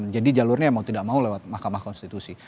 jadi jalurnya mau tidak mau lewat makamah konstitusi